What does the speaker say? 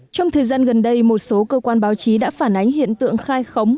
trong thời gian gần đây một số cơ quan báo chí đã phản ánh hiện tượng khai khống